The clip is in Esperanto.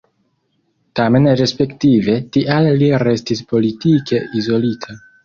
Tamen respektive tial li restis politike izolita.